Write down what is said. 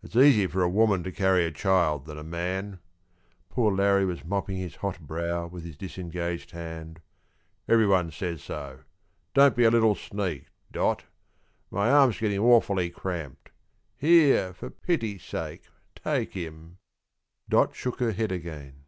"It's easier for a woman to carry a child than a man" poor Larrie was mopping his hot brow with his disengaged hand "everyone says so; don't be a little sneak, Dot; my arm's getting awfully cramped; here, for pity's sake take him." Dot shook her head again.